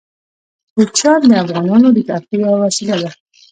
کوچیان د افغانانو د تفریح یوه وسیله ده.